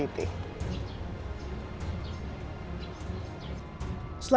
selain gaji pencetohan lapas ini juga mencetohkan pencetohan